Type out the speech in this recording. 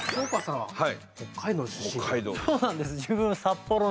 はい。